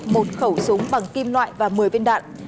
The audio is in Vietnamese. một khẩu súng bằng kim loại và một mươi viên đạn